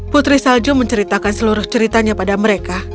putri salju menceritakan seluruh ceritanya pada mereka